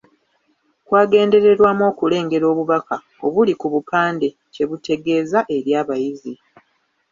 Kwagendererwamu okulengera obubaka obuli ku bupande kye butegeeza eri abayizi.